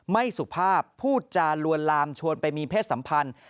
สุภาพพูดจาลวนลามชวนไปมีเพศสัมพันธ์